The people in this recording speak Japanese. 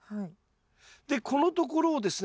でこのところをですね